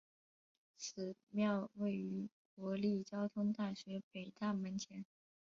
此庙位于国立交通大学北大门前。